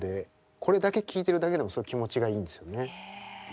これだけ聴いてるだけでも気持ちがいいんですよね。